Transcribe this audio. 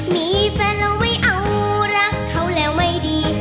มีแฟนเราไม่เอารักเขาแล้วไม่ดี